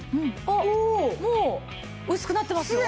おっもう薄くなってますよ。